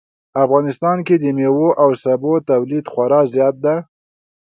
افغانستان کې د میوو او سبو تولید خورا زیات ده